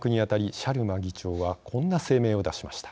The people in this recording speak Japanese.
シャルマ議長はこんな声明を出しました。